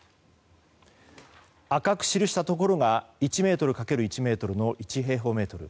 赤く記したところが１ｍかける１ｍの１平方メートル。